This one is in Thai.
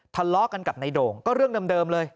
ทะเลาะกันกับนายโด่งก็เรื่องเดิมเลย